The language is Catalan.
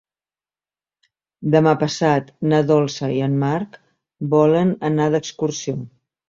Demà passat na Dolça i en Marc volen anar d'excursió.